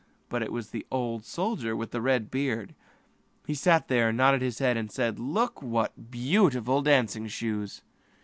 But it was the old soldier with the red beard; he sat there nodding his head and said: "Dear me, what pretty dancing shoes!"